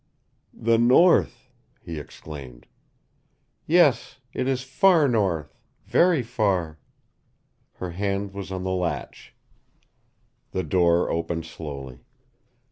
"The North!" he exclaimed. "Yes, it is far north. Very far." Her hand was on the latch. The door opened slowly.